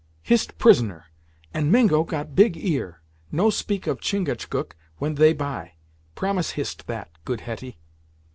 "Hist prisoner, and Mingo got big ear. No speak of Chingachgook when they by. Promise Hist that, good Hetty."